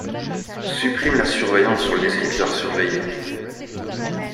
Supprime la surveillance sur le descripteur surveillé.